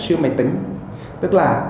siêu máy tính tức là